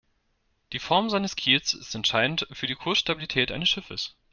Die Form seines Kiels ist entscheidend für die Kursstabilität eines Schiffes.